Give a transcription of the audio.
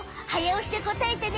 おしでこたえてね。